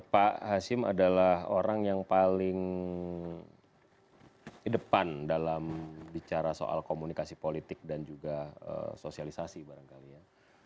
pak hashim adalah orang yang paling depan dalam bicara soal komunikasi politik dan juga sosialisasi barangkali ya